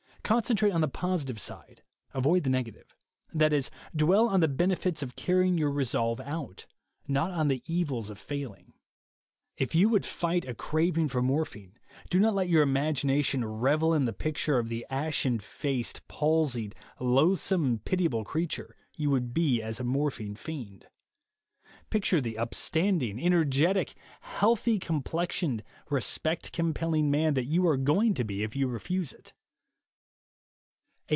Concentrate on the positive side ; avoid the negative. That is, dwell on the benefits of carrying your resolve out, not on the evils of failing. If you would fight a craving for morphine, do not let your imagination revel in the picture of the ashen faced, palsied, loathsome and pitiable creature you would be as a morphine fiend. Picture the upstanding, energetic, healthy complexioned, respect compelling man you are going to be if you refuse it.